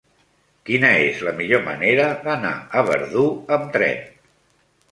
Quina és la millor manera d'anar a Verdú amb tren?